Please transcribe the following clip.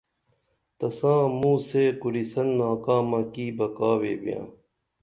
تساں موں سے کُرِسن ناکامہ کی بہ کا ویبِیاں